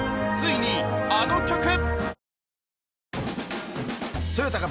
ついにあの曲！